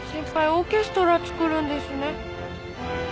オーケストラつくるんですね？